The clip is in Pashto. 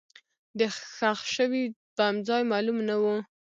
د ښخ شوي بم ځای معلوم نه و.